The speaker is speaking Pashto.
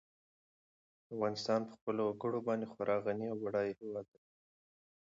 افغانستان په خپلو وګړي باندې خورا غني او بډای هېواد دی.